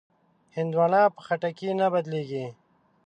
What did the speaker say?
هندوانه په خټکي نه بدلېږي.